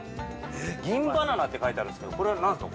◆銀バナナって書いてあるんですけど、これは何ですか。